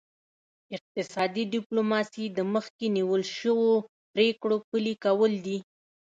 اقتصادي ډیپلوماسي د مخکې نیول شوو پریکړو پلي کول دي